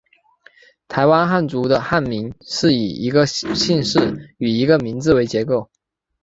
台湾汉族的汉名是以一个姓氏与一个名字为结构。